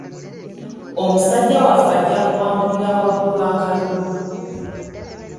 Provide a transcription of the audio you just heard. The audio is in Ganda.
Omusajja waffe ajja kuwangulira waggulu akalulu.